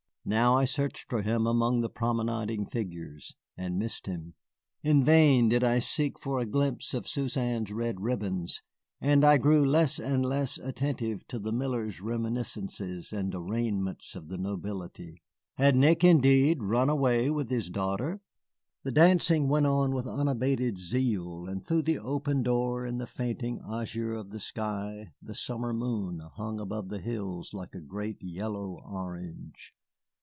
Now I searched for him among the promenading figures, and missed him. In vain did I seek for a glimpse of Suzanne's red ribbons, and I grew less and less attentive to the miller's reminiscences and arraignments of the nobility. Had Nick indeed run away with his daughter? The dancing went on with unabated zeal, and through the open door in the fainting azure of the sky the summer moon hung above the hills like a great yellow orange.